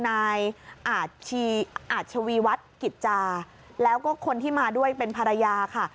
นายอาชวีวัฒน์กิจจาแล้วก็คนที่มาด้วยเป็นภรรยาค่ะ